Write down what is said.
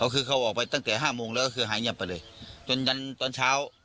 คือเขาออกไปตั้งแต่ห้าโมงแล้วก็คือหายเงียบไปเลยจนยันตอนเช้า